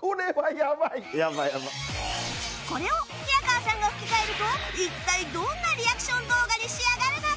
これを平川さんが吹き替えると一体どんなリアクション動画に仕上がるのか？